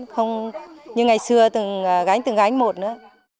không như ngày xưa từng gánh từng gánh một nữa